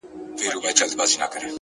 الوتني کوي؛